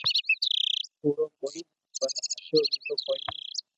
ڪوڙو ڪوئي پر ھاچو بي تو ڪوئي ني